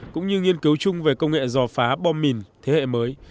cũng như nghiên cứu chung về công nghệ dò phá bom mìn thế hệ mới